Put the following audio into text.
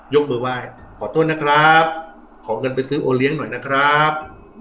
ยกมือไหว้ขอโทษนะครับขอเงินไปซื้อโอเลี้ยงหน่อยนะครับ